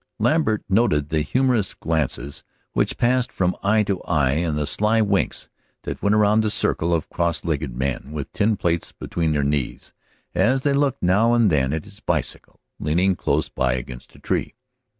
Lambert noted the humorous glances which passed from eye to eye, and the sly winks that went round the circle of cross legged men with tin plates between their knees as they looked now and then at his bicycle leaning close by against a tree.